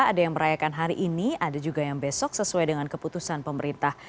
ada yang merayakan hari ini ada juga yang besok sesuai dengan keputusan pemerintah